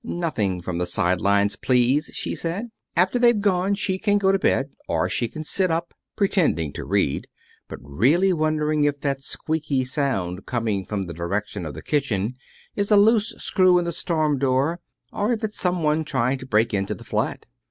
"Nothing from the side lines, please," she said. "After they've gone she can go to bed, or she can sit up, pretending to read, but really wondering if that squeaky sound coming from the direction of the kitchen is a loose screw in the storm door, or if it's some one trying to break into the flat.